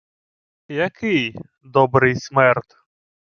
— Який? Добрий смерд.